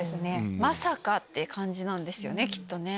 まさか！って感じなんですねきっとね。